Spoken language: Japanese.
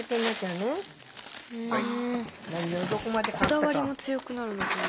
こだわりも強くなるのかな。